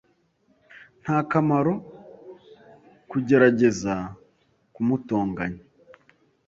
Nta kamaro kugerageza kumutonganya.